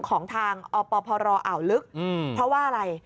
ของทางอปพรอ่าวลึกเพราะว่าอะไร